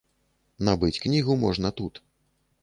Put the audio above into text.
Набыць кнігу можна тут.